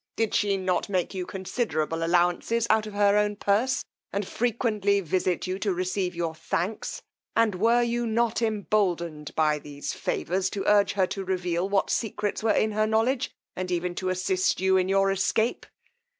Did she not make you considerable allowances out of her own purse, and frequently visit you to receive your thanks? And were you not emboldened by these favours to urge her to reveal what secrets were in her knowledge, and even to assist you in your escape?